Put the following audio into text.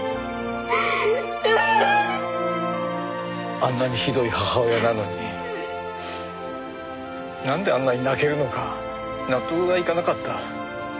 あんなにひどい母親なのになんであんなに泣けるのか納得がいかなかった。